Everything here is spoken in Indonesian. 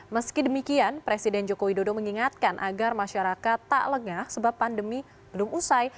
meski demikian presiden joko widodo mengingatkan agar masyarakat tak lengah sebab pandemi belum usai